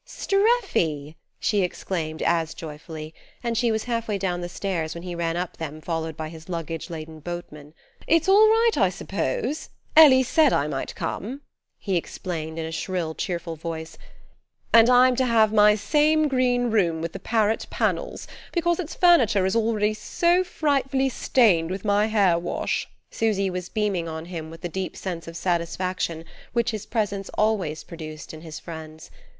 "Streffy!" she exclaimed as joyfully; and she was half way down the stairs when he ran up them followed by his luggage laden boatman. "It's all right, I suppose? Ellie said I might come," he explained in a shrill cheerful voice; "and I'm to have my same green room with the parrot panels, because its furniture is already so frightfully stained with my hair wash." Susy was beaming on him with the deep sense of satisfaction which his presence always produced in his friends.